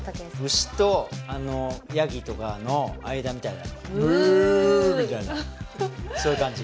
牛とヤギとかの間みたいなのブウーみたいなそういう感じ